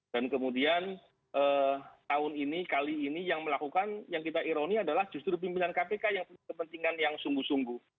dan kemudian tahun ini kali ini yang melakukan yang kita ironi adalah justru pimpinan kpk yang punya kepentingan yang sungguh sungguh